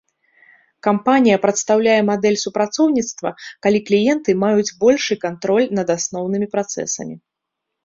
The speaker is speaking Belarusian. Кампанія прадастаўляе мадэль супрацоўніцтва, калі кліенты маюць большы кантроль над асноўнымі працэсамі.